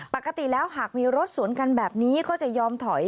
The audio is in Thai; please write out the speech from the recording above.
ปกติแล้วหากมีรถสวนกันแบบนี้ก็จะยอมถอย